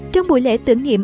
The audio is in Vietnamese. trong buổi lễ tưởng nghiệm